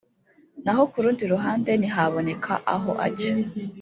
naho kurundi ruhande ntihaboneke aho ajya